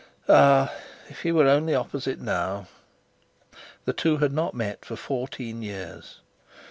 Ah! if he were only opposite now! The two had not met for fourteen years.